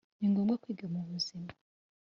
ni ngombwa kwiga mu buzima